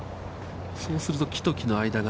そうすると、木と木の間が。